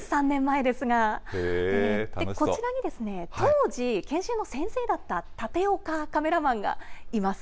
こちらに、当時、研修の先生だった、館岡カメラマンがいます。